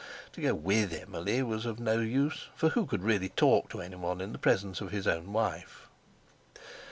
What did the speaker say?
To go with Emily was of no use, for who could really talk to anyone in the presence of his own wife?